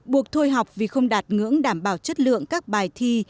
buộc thôi học vì không đạt ngưỡng đảm bảo chất lượng các bài thi